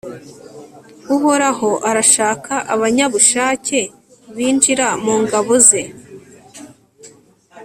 uhoraho arashaka abanyabushake binjira mu ngabo ze